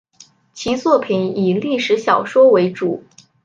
其作品以历史小说为主。